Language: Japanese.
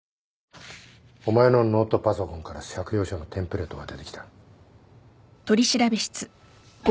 お前のノートパソコンから借用書のテンプレートが出てきた。